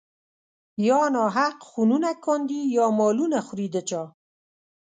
يا ناحق خونونه کاندي يا مالونه خوري د چا